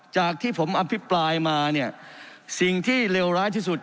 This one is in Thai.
จากที่ผมอภิปรายมาเนี่ยสิ่งที่เลวร้ายที่สุด